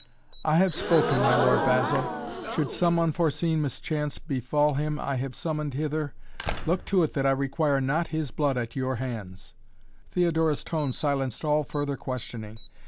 "I have spoken, my Lord Basil! Should some unforeseen mischance befall him I have summoned hither, look to it that I require not his blood at your hands." Theodora's tone silenced all further questioning.